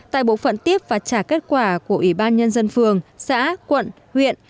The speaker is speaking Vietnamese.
tại bộ phận tiếp và trả kết quả của ủy ban nhân dân phường xã quận huyện